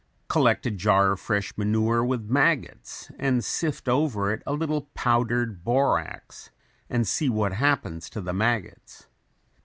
Collect a jar of fresh manure with maggots and sift over it a little powdered borax and see what happens to the maggots.